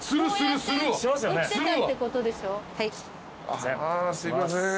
あすいません。